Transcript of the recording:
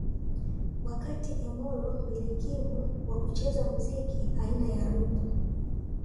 Wakati Emoro mbilikimo wa kucheza mziki aina ya rhumba